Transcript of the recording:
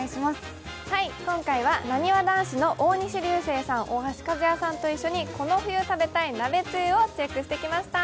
今回はなにわ男子の大西流星さん大橋和也さんと一緒にこの冬食べたい鍋つゆをチェックしてきました。